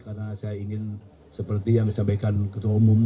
karena saya ingin seperti yang disampaikan ketua umum